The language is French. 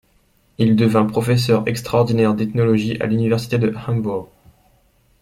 Il devint professeur extraordinaire d'ethnologie à l'Université de Hambourg.